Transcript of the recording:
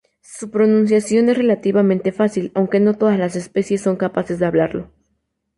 Su pronunciación es relativamente fácil, aunque no todas las especies son capaces de hablarlo.